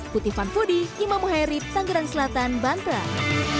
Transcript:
putih fun foodie imam muhairid sanggerang selatan banteng